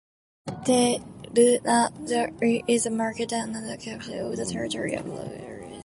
Castelnaudary is a market town, and the capital of the territory of Lauragais.